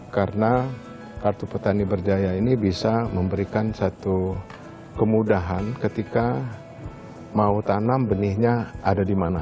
karena kartu petani berjaya ini bisa memberikan satu kemudahan ketika mau tanam benihnya ada di mana